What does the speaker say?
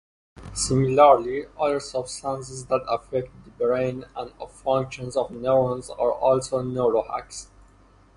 Similarly, other substances that affect the brain and functions of neurons are also neurohacks.